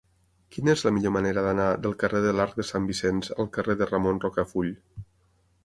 Quina és la millor manera d'anar del carrer de l'Arc de Sant Vicenç al carrer de Ramon Rocafull?